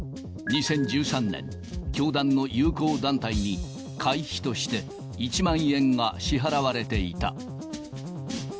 ２０１３年、教団の友好団体に、会費として１万円が支払われていた。